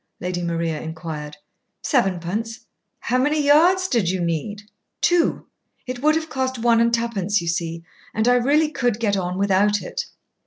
Lady Maria inquired. "Sevenpence." "How many yards did you need?" "Two. It would have cost one and twopence, you see. And I really could get on without it."